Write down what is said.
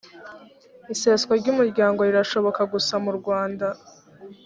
iseswa ry umuryango rirashoboka gusa murwanda